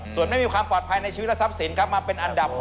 ส่วนไม่มีความปลอดภัยในชีวิตและทรัพย์สินครับมาเป็นอันดับ๖